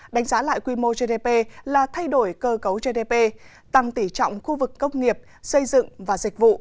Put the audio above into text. đánh giá lại quy mô gdp là thay đổi cơ cấu gdp tăng tỷ trọng khu vực công nghiệp xây dựng và dịch vụ